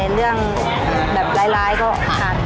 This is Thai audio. เรื่องแบบร้ายก็ขาด